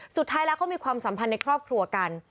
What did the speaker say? สุดท้ายแล้วเขามีความสัมพันธ์ในครอบครัวกัน